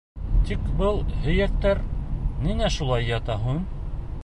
Тик был һөйәктәр ниңә шулай ята һуң?